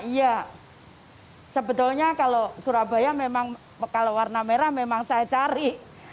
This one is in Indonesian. iya sebetulnya kalau surabaya memang kalau warna merah memang saya cari